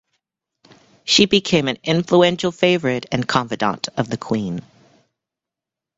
She became an influential favorite and confidant of the queen.